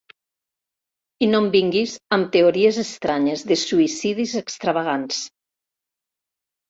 I no em vinguis amb teories estranyes de suïcidis extravagants!